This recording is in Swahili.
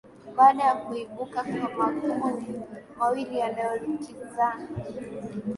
baada ya kuibuka kwa makundi mawili yanayokinzana